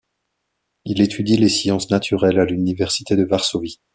Il étudie les sciences naturelles à l'Université de Varsovie.